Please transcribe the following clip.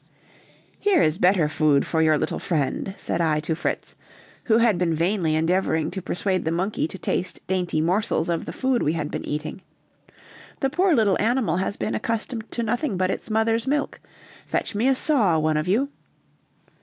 "Here is better food for your little friend," said I to Fritz, who had been vainly endeavoring to persuade the monkey to taste dainty morsels of the food we had been eating; "the poor little animal has been accustomed to nothing but its mother's milk; fetch me a saw, one of you."